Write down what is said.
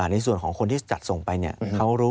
ในส่วนของคนที่จัดส่งไปเนี่ยเขารู้